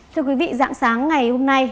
thưa quý vị dạng sáng ngày hôm nay